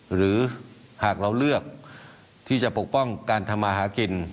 หรือหากเราเลือกที่จะปกป้องการทำมาหากิน